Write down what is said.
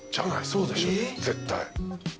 そうでしょ絶対。